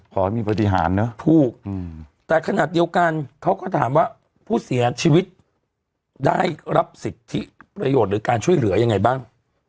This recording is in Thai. ขอให้มีปฏิหารนะถูกแต่ขนาดเดียวกันเขาก็ถามว่าผู้เสียชีวิตได้รับสิทธิประโยชน์หรือการช่วยเหลือยังไงบ้าง